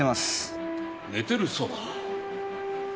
寝てるそうだ。